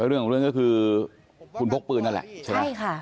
เรื่องของเรื่องก็คือคุณพกปืนนั่นแหละใช่ไหมใช่ค่ะ